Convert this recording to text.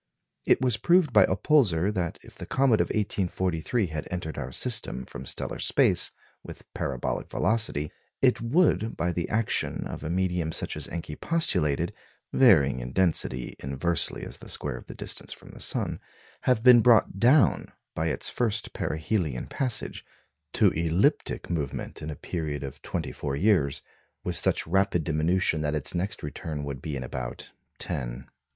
It was proved by Oppolzer that if the comet of 1843 had entered our system from stellar space with parabolic velocity it would, by the action of a medium such as Encke postulated (varying in density inversely as the square of the distance from the sun), have been brought down, by its first perihelion passage, to elliptic movement in a period of twenty four years, with such rapid diminution that its next return would be in about ten.